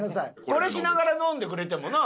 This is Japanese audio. これしながら飲んでくれてもな？